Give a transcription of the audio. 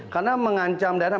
karena mengancam daerah